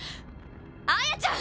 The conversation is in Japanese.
亜耶ちゃん！